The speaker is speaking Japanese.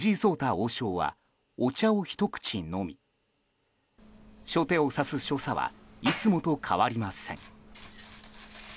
王将はお茶をひと口飲み初手を指す所作はいつもと変わりません。